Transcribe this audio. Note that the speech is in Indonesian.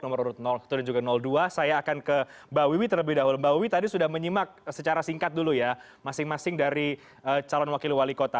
nomor urut satu dan juga dua saya akan ke mbak wiwi terlebih dahulu mbak wiwi tadi sudah menyimak secara singkat dulu ya masing masing dari calon wakil wali kota